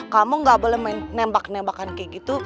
kamu ga boleh main nembak nembakan kaya gitu